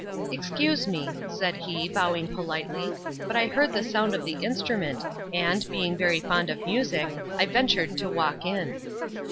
"Excuse me," said he, bowing politely, "but I heard the sound of the instrument, and, being very fond of music, I ventured to walk in."